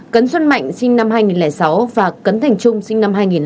cấn xuân mạnh sinh năm hai nghìn sáu và cấn thành trung sinh năm hai nghìn sáu